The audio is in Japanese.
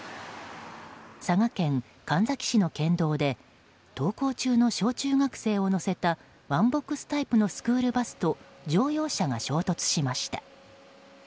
佐賀県神埼市の県道で登校中の小中学生を乗せたワンボックスタイプのスクールバスと乗用車が衝突しました。